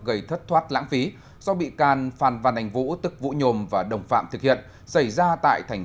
gây thất thoát lãng phí do bị can phan văn anh vũ tức vũ nhôm và đồng phạm thực hiện xảy ra tại thành